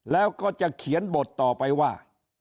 แล้วก็จะเขียนบทต่อไปว่า